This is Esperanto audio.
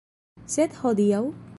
Sed hodiaŭ?